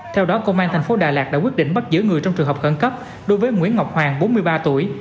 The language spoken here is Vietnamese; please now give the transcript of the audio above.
theo đó công an thành phố đà lạt đã quyết định bắt giữ người trong trường hợp khẩn cấp đối với nguyễn ngọc hoàng bốn mươi ba tuổi